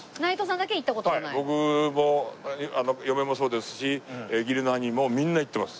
僕も嫁もそうですし義理の兄もみんな行ってます。